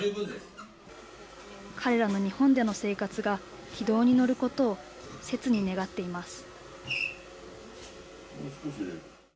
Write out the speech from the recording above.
彼らの日本での生活が軌道に乗ることをせつに願っています。